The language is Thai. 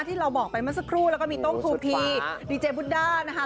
ที่เราบอกไปเมื่อสักครู่แล้วก็มีโต้งทูทีดีเจพุทธด้านะคะ